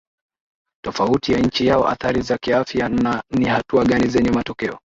tofauti ya nchi yao athari za kiafya na ni hatua gani zenye matokeo